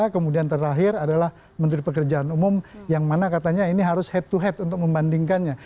kemudian terakhir adalah menteri pekerjaan umum yang mana katanya ini harus head to head untuk membandingkannya